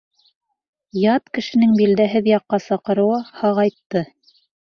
Ят кешенең билдәһеҙ яҡҡа саҡырыуы һағайтты.